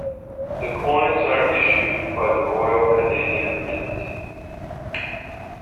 The coins are issued by the Royal Canadian Mint.